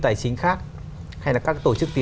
tại vì cái app này